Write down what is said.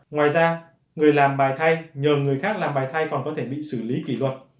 ngoài ra người làm bài thay nhờ người khác làm bài thay còn có thể bị xử lý kỷ luật